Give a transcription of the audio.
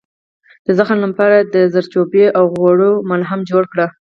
د زخم لپاره د زردچوبې او غوړیو ملهم جوړ کړئ